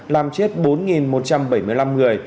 làm chết bốn một trăm bảy mươi năm người